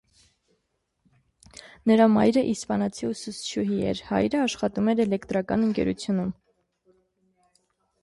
Նրա մայրը իսպանացի ուսուցչուհի էր, հայրը աշխատում էր էլեկտրական ընկերությունում։